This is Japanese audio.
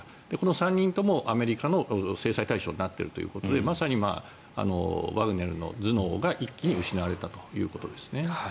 ３人ともアメリカの制裁対象になっているということでまさにワグネルの頭脳が一気に失われたということですね。